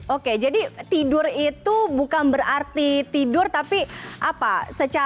oke jadi tidur itu bukan berarti tidur tapi apa